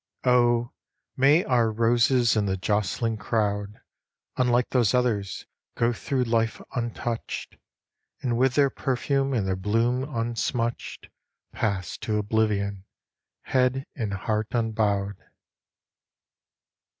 Oh, may our roses in the jostling crowd, Unlike those others, go through life untouched, And with their perfume and their bloom unsmutched Pass to oblivion, head and heart unbowed.